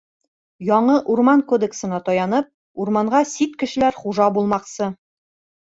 Яңы Урман кодексына таянып, урманға сит кешеләр хужа булмаҡсы.